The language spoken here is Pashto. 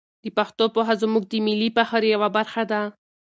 د پښتو پوهه زموږ د ملي فخر یوه برخه ده.